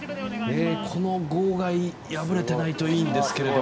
この号外破れていないといいんですが。